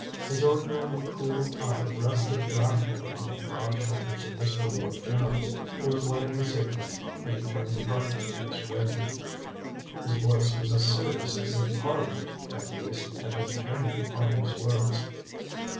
His ordinarily cool eye rested wrathfully on the broad shoulders of Mr. Lloyd Jones, who was lighting a cigarette, and he turned abruptly to Miss Reynier. His voice was as serious as if Parliament, at least, had been hanging on his words.